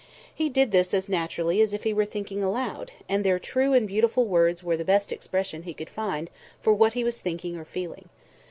He did this as naturally as if he were thinking aloud, and their true and beautiful words were the best expression he could find for what he was thinking or feeling.